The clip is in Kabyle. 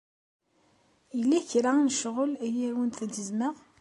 Yella kra n ccɣel ay awent-gezmeɣ?